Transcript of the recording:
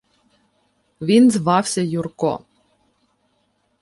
— Він звався Юрко.